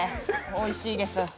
おいしいです。